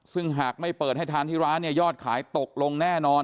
ซึ่งหากไม่เปิดให้ทานที่ร้านเนี่ยยอดขายตกลงแน่นอน